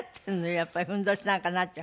やっぱりふんどしなんかになっちゃ。